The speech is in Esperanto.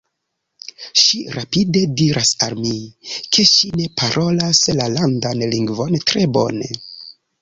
Ŝi rapide diras al mi, ke ŝi ne parolas la landan lingvon tre bone.